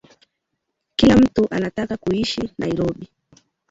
Kila mtu anataka kuishi Nairobi